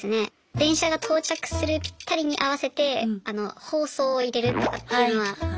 電車が到着するぴったりに合わせて放送をいれるとかっていうのは。